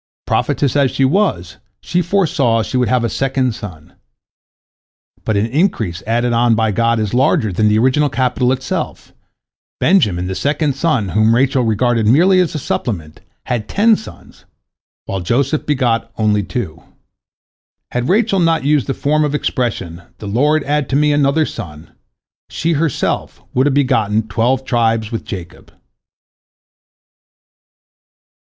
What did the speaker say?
Prophetess as she was, she foresaw she would have a second son. But an increase added on by God is larger than the original capital itself. Benjamin, the second son, whom Rachel regarded merely as a supplement, had ten sons, while Joseph begot only two. These twelve together may be considered the twelve tribes borne by Rachel. Had Rachel not used the form of expression, "The Lord add to me another son," she herself would have begotten twelve tribes with Jacob.